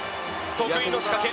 得意の仕掛け。